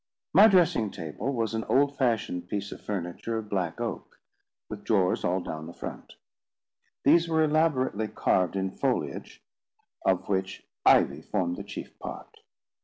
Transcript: My dressing table was an old fashioned piece of furniture of black oak, with drawers all down the front. These were elaborately carved in foliage, of which ivy formed the chief part.